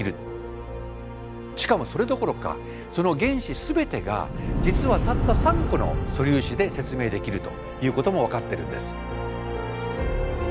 しかもそれどころかその原子すべてが実はたった３個の「素粒子」で説明できるということも分かってるんです。